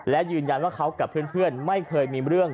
และยืนยันว่าเขากับเพื่อนไม่เคยมีเรื่อง